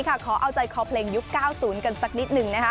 ขอเอาใจคอเพลงยุค๙๐กันสักนิดนึงนะคะ